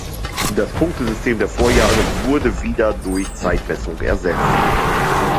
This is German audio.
Das Punktesystem der Vorjahre wurde wieder durch Zeitmessung ersetzt.